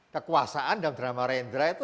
kekuasaan dan drama rendra itu